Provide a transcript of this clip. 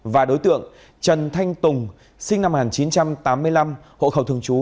và đối tượng trần thanh tùng sinh năm một nghìn chín trăm tám mươi năm hộ khẩu thường trú